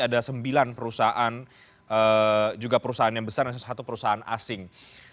ada sembilan perusahaan juga perusahaan yang besar dan satu perusahaan asing